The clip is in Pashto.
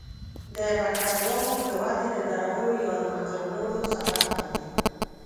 د بکټریاوو د ودې د درولو یا له منځه وړلو سبب کیږي.